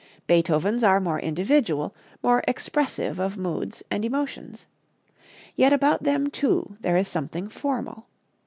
Beethoven's are more individual, more expressive of moods and emotions. Yet about them, too, there is something formal.